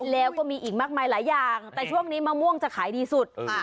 แล้วก็มีอีกมากมายหลายอย่างแต่ช่วงนี้มะม่วงจะขายดีสุดค่ะ